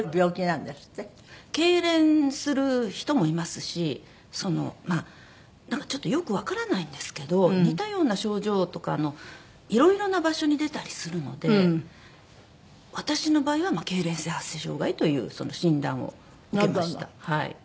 痙攣する人もいますしそのまあなんかちょっとよくわからないんですけど似たような症状とかあのいろいろな場所に出たりするので私の場合はけいれん性発声障害という診断を受けましたはい。